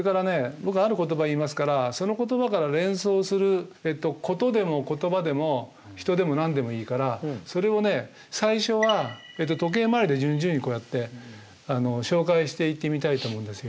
僕ある言葉言いますからその言葉から連想する事でも言葉でも人でも何でもいいからそれをね最初は時計回りで順々にこうやって紹介していってみたいと思うんですよ。